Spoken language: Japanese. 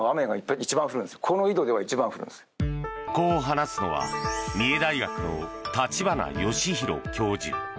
こう話すのは三重大学の立花義裕教授。